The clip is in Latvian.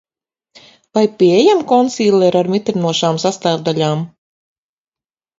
Vai pieejami konsīleri ar mitrinošām sastāvdaļām?